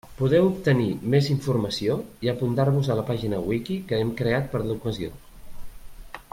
Podeu obtenir més informació i apuntar-vos a la pàgina Wiki que hem creat per a l'ocasió.